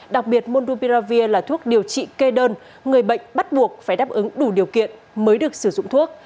đặc biệt mondupiravir là thuốc điều trị kê đơn người bệnh bắt buộc phải đáp ứng đủ điều kiện mới được sử dụng thuốc